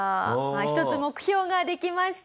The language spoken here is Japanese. １つ目標ができました。